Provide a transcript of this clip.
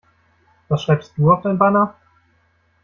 Was schreibst du auf dein Banner?